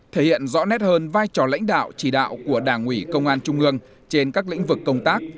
thể hiện rõ nét hơn vai trò lãnh đạo chỉ đạo của đảng ủy công an trung ương trên các lĩnh vực công tác